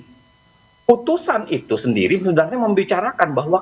keputusan itu sendiri sebenarnya membicarakan bahwa